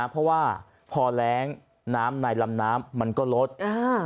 เพราะว่าพอแรงน้ำในลำน้ำมันก็ลดอ่า